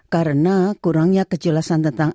karena kurangnya kejelasan tentang